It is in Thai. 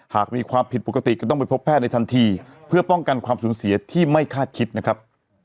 หากมีความผิดปกติก็ต้องไปพบแพทย์ในทันทีเพื่อป้องกันความสูญเสียที่ไม่คาดคิดนะครับ